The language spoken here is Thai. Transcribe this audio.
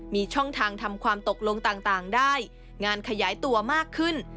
มีช่องทางทำความตกลงต่างได้งานขยายตัวมากขึ้น